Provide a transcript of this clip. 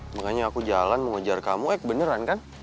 makanya aku jalan mau ngejar kamu eh beneran kan